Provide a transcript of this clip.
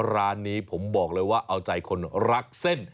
ร้านนี้ผมบอกเลยว่าเอาใจคนรักเส้น